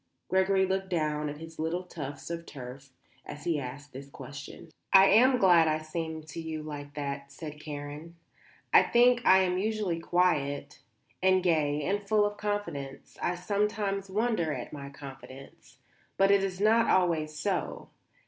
Gregory looked down at his little tufts of turf as he asked this question. "I am glad I seem to you like that," said Karen. "I think I am usually quiet and gay and full of confidence; I sometimes wonder at my confidence. But it is not always so.